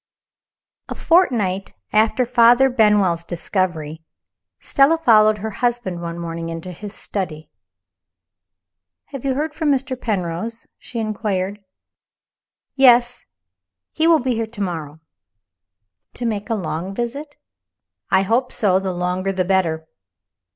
A FORTNIGHT after Father Benwell's discovery, Stella followed her husband one morning into his study. "Have you heard from Mr. Penrose?" she inquired. "Yes. He will be here to morrow." "To make a long visit?" "I hope so. The longer the better."